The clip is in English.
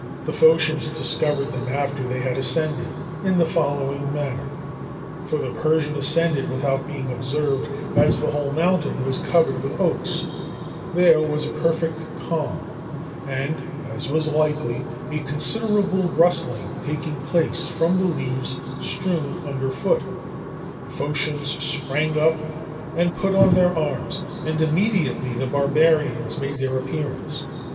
The Phocians discovered them after they had ascended, in the following manner; for the Persian ascended without being observed, as the whole mountain was covered with oaks; there was a perfect calm, and, as was likely, a considerable rustling taking place from the leaves strewn under foot, the Phocians sprang up and put on their arms, and immediately the barbarians made their appearance.